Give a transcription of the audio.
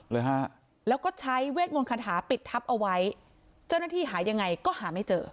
เลยฮะแล้วก็ใช้เวทมนต์คาถาปิดทับเอาไว้เจ้าหน้าที่หายังไงก็หาไม่เจอ